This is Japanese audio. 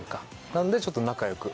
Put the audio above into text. なのでちょっと仲良く。